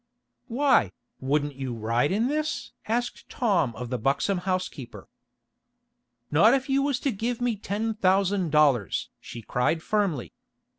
"Why, wouldn't you ride in this?" asked Tom of the buxom housekeeper. "Not if you was to give me ten thousand dollars!" she cried firmly.